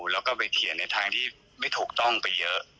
แล้วก็ไปเขียนในทางที่ไม่ถูกต้องไปเยอะ